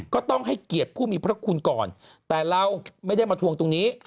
ก็ต้องให้เกียรติผู้มีพระคุณก่อนแต่เราไม่ได้มาทวงตรงนี้